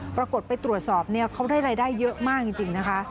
ปรากฏไปตรวจสอบเขาได้รายได้เยอะมากจริงนะคะ